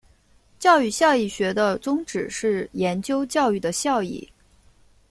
教育效益学的宗旨是研究教育的效益。